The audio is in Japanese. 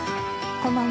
こんばんは。